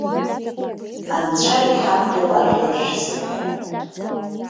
Анцәа иҳамҭоуп ажәлар шәзыҳәа.